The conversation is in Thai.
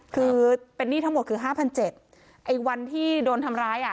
คือเป็นหนี้ทั้งหมดคือห้าพันเจ็ดไอ้วันที่โดนทำร้ายอ่ะ